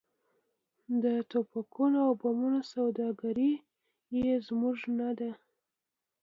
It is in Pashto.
د ټوپکونو او بمونو سوداګري یې زموږ نه ده.